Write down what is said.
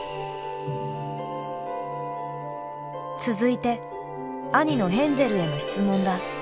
続いて兄のヘンゼルへの質問だ。